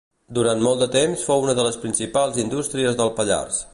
Durant molt de temps fou una de les principals indústries del Pallars.